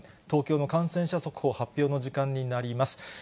東京の感染者速報発表の時間になります。